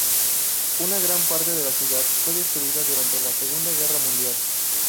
Una gran parte de la ciudad fue destruida durante la Segunda Guerra Mundial.